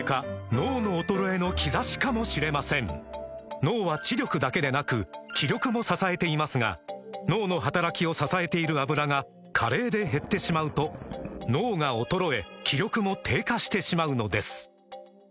脳の衰えの兆しかもしれません脳は知力だけでなく気力も支えていますが脳の働きを支えている「アブラ」が加齢で減ってしまうと脳が衰え気力も低下してしまうのですだから！